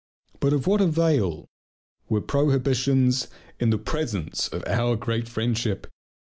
But of what avail were prohibitions in the presence of our great friendship!